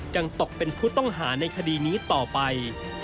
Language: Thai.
ยังตกเป็นผู้ต้องหาในคดีนี้ต่อไป